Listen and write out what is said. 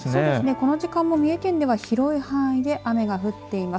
この時間も三重県では広い範囲で雨が降っています。